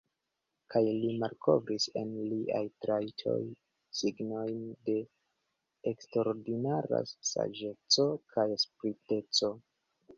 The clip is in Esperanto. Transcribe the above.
Kaj li malkovris en liaj trajtoj signojn de eksterordinara saĝeco kaj spriteco.